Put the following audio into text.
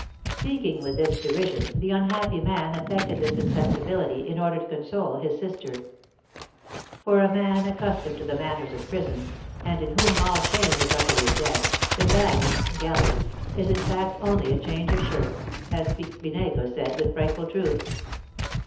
Speaking with this derision, the unhappy man affected this insensibility, in order to console his sister. For a man accustomed to the manners of prisons, and in whom all shame is utterly dead, the bagne (galleys) is, in fact, only a change of shirt, as Pique Vinaigre said, with frightful truth.